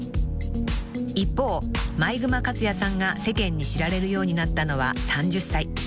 ［一方毎熊克哉さんが世間に知られるようになったのは３０歳］